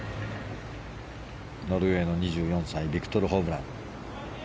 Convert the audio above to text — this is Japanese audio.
ノルウェーの２４歳ビクトル・ホブラン。